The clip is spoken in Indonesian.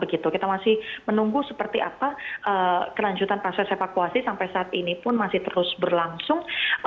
kita masih menunggu seperti apa kelanjutan proses evakuasi sampai saat ini pun masih terus berlangsung